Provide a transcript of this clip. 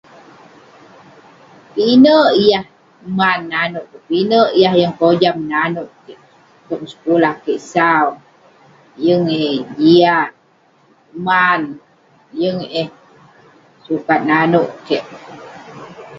pinek yah man nanouk keik, pinek yah yeng kojam nanouk keik tong sekulah kik sau, yeng eh jiak..man, yeng eh sukat nanouk keik.